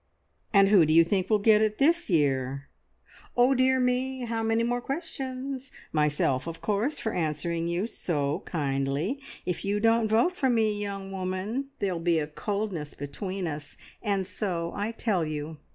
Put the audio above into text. "And who do you think will get it this year?" "Oh dear me! How many more questions? Myself, of course, for answering you so kindly. If you don't vote for me, young woman, there'll be a coldness between us, and so I tell you.